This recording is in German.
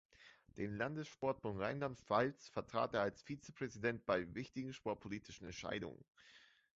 Den Landessportbund Rheinland-Pfalz vertrat er als Vizepräsident bei wichtigen sportpolitischen Entscheidungen.